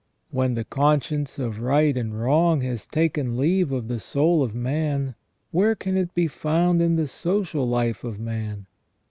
When the conscience of right and wrong has taken leave of the soul of man, where can it be found in the social life of man